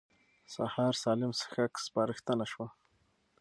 سهار سالم څښاک سپارښتنه شوه.